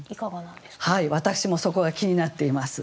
私もそこが気になっています。